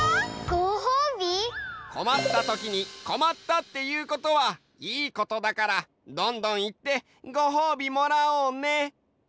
こまったときに「こまった」っていうことはいいことだからどんどんいってごほうびもらおうね！